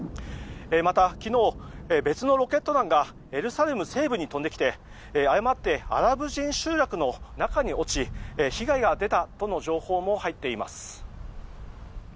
また昨日、別のロケット弾がエルサレム西部に飛んできて誤ってアラブ人集落の中に落ち被害が出たとの情報も入っています。